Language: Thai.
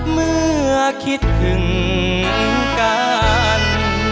เมื่อคิดถึงกัน